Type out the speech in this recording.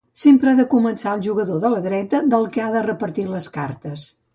Sempre ha de començar el jugador de la dreta del que ha repartit les cartes.